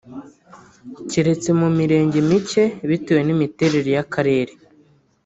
keretse mu Mirenge mike bitewe n’imiterere y’Akarere